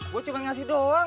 gua cuma ngasih doang